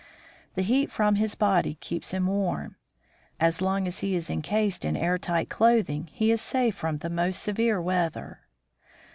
The heat from his body keeps him warm. As long as he is incased in air tight clothing, he is safe from the most severe weather.